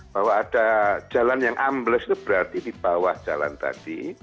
bahwa ada jalan yang ambles itu berarti di bawah jalan tadi